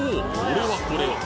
これはこれは！